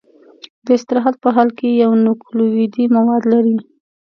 د استراحت په حال کې یو نوکلوئیدي مواد لري.